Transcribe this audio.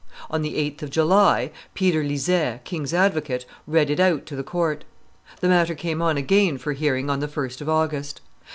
On the 8th of July, Peter Lizet, king's advocate, read it out to the court. The matter came on again for hearing on the 1st of August.